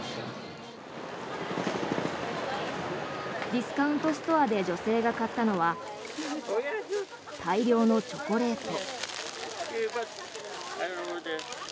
ディスカウントストアで女性が買ったのは大量のチョコレート。